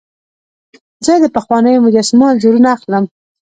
زه د پخوانیو مجسمو انځورونه اخلم.